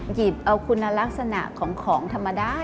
หยิบเอาคุณลักษณะของของธรรมดา